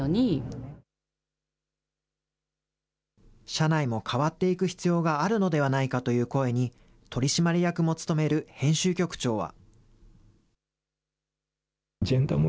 社内も変わっていく必要があるのではないかという声に、取締役も務める編集局長は。